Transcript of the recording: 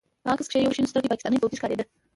په عکس کښې يو شين سترګى پاکستاني فوجي ښکارېده.